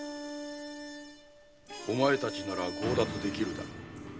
お前たちなら強奪できるだろう